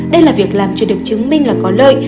đây là việc làm chưa được chứng minh là có lợi